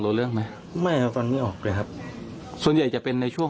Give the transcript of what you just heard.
โรธเรื่องมั้ยไม่ตอนนี้ออกเลยครับส่วนเย็นจะเป็นในช่วง